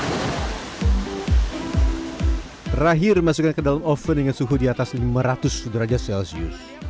terakhir dimasukkan ke dalam oven dengan suhu di atas lima ratus derajat celcius